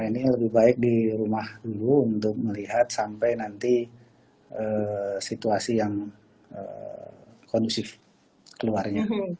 ini lebih baik di rumah dulu untuk melihat sampai nanti situasi yang kondusif keluarnya